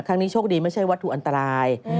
ครั้งนี้โชคดีไม่ใช่วัตถุอันตราย